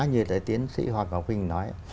như là tiến sĩ hoàng bảo quỳnh nói